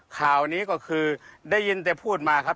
ข่าวนี้ก็คือได้ยินแต่พูดมาครับ